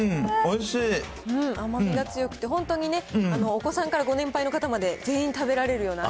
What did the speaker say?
甘みが強くて、本当にね、お子さんからご年配の方まで全員食べられるような。